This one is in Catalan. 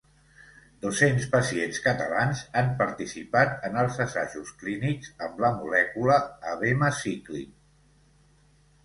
Dos-cents pacients catalans han participat en els assajos clínics amb la molècula abemaciclib.